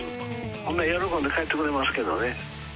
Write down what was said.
ほんなら喜んで、帰ってくれますけどね。